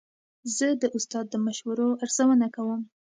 زه د استاد د مشورو ارزونه کوم.